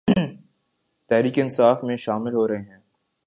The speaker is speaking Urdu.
تحریک انصاف میں شامل ہورہےہیں